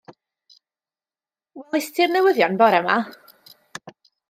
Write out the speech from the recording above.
Welist ti'r newyddion bora 'ma?